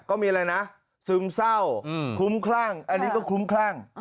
ก็มีอะไรนะซึมเศร้าคลุ้มคลั่งอันนี้ก็คลุ้มคลั่ง